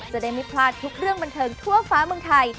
จะได้ไม่พลาดทุกเรื่องบันเทิงทั่วฟ้าเมืองไทย